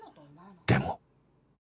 でも